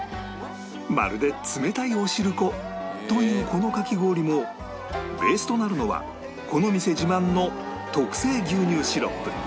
まるで冷たいお汁粉というこのかき氷もベースとなるのはこの店自慢の特製牛乳シロップ